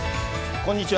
こんにちは。